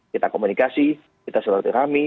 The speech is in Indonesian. kita komunikasi kita selatur rame